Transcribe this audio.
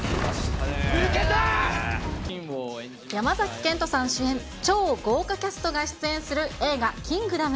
山崎賢人さん主演、超豪華キャストが出演する映画、キングダム。